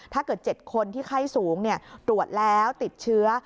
ถ้าเกิด๗คนที่ไข้สูงตรวจแล้วติดเชื้อ